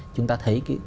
chúng ta thấy